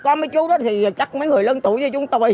có mấy chú đó thì chắc mấy người lân tuổi như chúng tôi